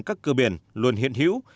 các cửa biển luôn hiện hữu